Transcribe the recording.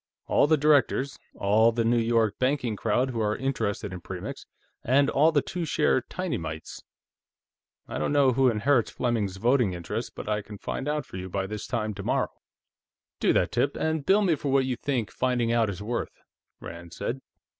All the directors. All the New York banking crowd who are interested in Premix. And all the two share tinymites. I don't know who inherits Fleming's voting interest, but I can find out for you by this time tomorrow." "Do that, Tip, and bill me for what you think finding out is worth," Rand said.